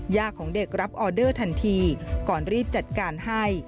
ของเด็กรับออเดอร์ทันทีก่อนรีบจัดการให้